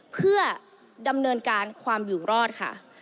เพื่อดำเนินการความอยู่รอดค่ะ